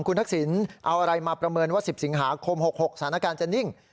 คุณทักษิณเอาอะไรมาประเมินว่า๑๐สิงหาคม๖๖สถานการณ์จะนิ่ง